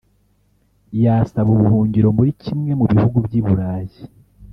yasaba ubuhungiro muri kimwe mu bihugu by’iburayi